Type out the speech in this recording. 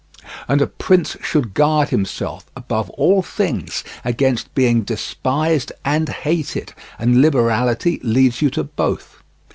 And a prince should guard himself, above all things, against being despised and hated; and liberality leads you to both.